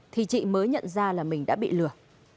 thì chị mới nhận ra là mình đã bị lừa